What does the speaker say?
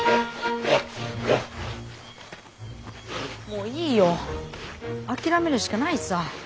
もういいよ諦めるしかないさぁ。